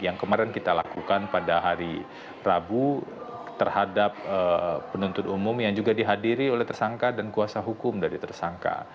yang kemarin kita lakukan pada hari rabu terhadap penuntut umum yang juga dihadiri oleh tersangka dan kuasa hukum dari tersangka